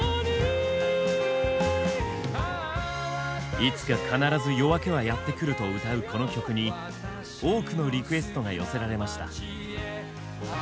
いつか必ず夜明けはやってくると歌うこの曲に多くのリクエストが寄せられました。